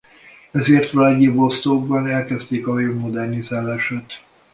Ezért Vlagyivosztokban elkezdték a hajó modernizálását.